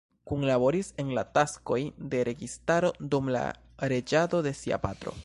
Kunlaboris en la taskoj de registaro dum la reĝado de sia patro.